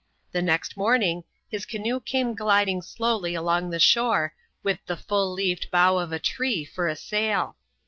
The next morning, his canoe camt gliding slowly along the shore, with the full leaved bough of a tree for a sail.